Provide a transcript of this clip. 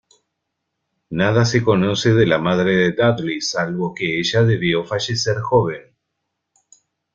Nada se conoce de la madre de Dudley, salvo que ella debió fallecer joven.